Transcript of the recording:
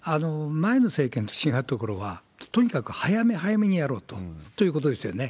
前の政権と違うところは、とにかく早め早めにやろうということですよね。